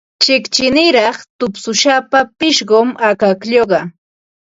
Chiqchiniraq tupshusapa pishqum akaklluqa.